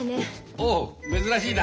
おう珍しいな。